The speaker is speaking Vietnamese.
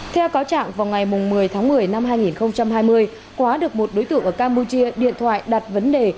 theo cáo trạng vào ngày một mươi tháng một mươi năm hai nghìn hai mươi quá được một đối tượng ở campuchia điện thoại đặt vấn đề